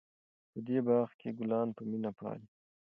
په دې باغ کې ګلان په مینه پالي.